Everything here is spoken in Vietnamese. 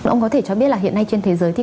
ông có thể cho biết là hiện nay trên thế giới